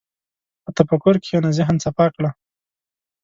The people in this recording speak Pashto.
په تفکر کښېنه، ذهن صفا کړه.